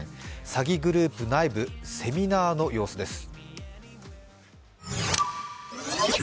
詐欺グループ内部セミナーの様子です。